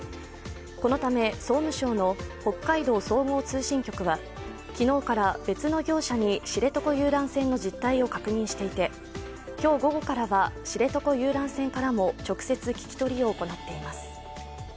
このため総務省の北海道総合通信局は昨日から、別の業者に知床遊覧船の実態を確認していて今日午後からは知床遊覧船からも直接、聞き取りを行っています。